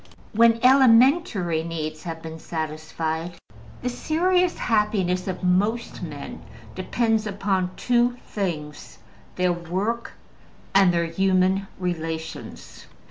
When elementary needs have been satisfied, the serious happiness of most men depends upon two things: their work, and their human relations.